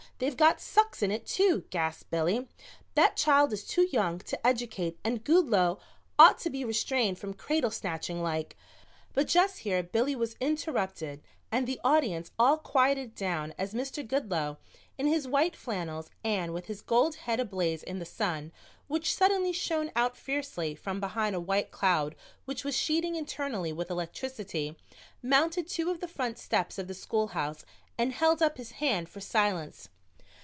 They've got Sucks in it, too!" gasped Billy. "That child is too young to educate and Goodloe ought to be restrained from cradle snatching like " But just here Billy was interrupted and the audience all quieted down as Mr. Goodloe, in his white flannels and with his gold head ablaze in the sun, which suddenly shone out fiercely from behind a white cloud which was sheeting internally with electricity, mounted two of the front steps of the schoolhouse and held up his hand for silence.